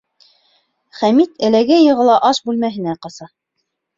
Хәмит эләгә-йығыла аш бүлмәһенә ҡаса.